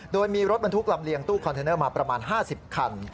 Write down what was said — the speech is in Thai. โดยมีรถบรรทุกลำเลียงตู้คอนเทนเนอร์มาประมาณ๕๐คัน